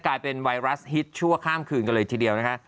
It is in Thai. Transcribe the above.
กลายเป็นไวรัสฮิตชั่วข้ามคืนกันเลยทีเดียวนะคะ